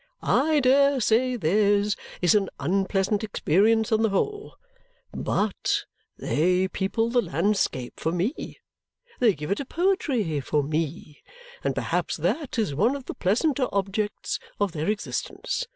I dare say theirs is an unpleasant experience on the whole; but they people the landscape for me, they give it a poetry for me, and perhaps that is one of the pleasanter objects of their existence.